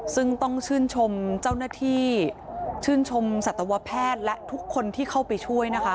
ซึ่งต้องชื่นชมเจ้าหน้าที่ชื่นชมสัตวแพทย์และทุกคนที่เข้าไปช่วยนะคะ